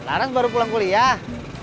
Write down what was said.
naras baru pulang kuliah